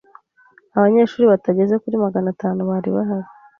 Abanyeshuri batageze kuri magana atanu bari bahari.